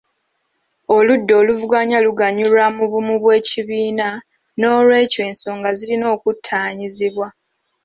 Oludda oluvuganya luganyulwa mu bumu bw'ekibiina n'olwekyo ensonga zirina okuttaanyizibwa.